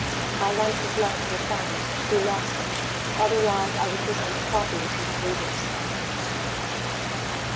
I lent this letter to a friend, who lost it; otherwise I would present a copy to my readers.